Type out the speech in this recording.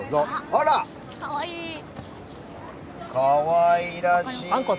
あら、かわいらしい。